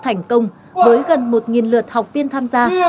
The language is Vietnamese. học viện đã tổ chức thành công với gần một lượt học viên tham gia